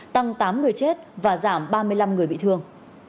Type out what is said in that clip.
tăng tám người chết và giảm ba mươi năm người bị thương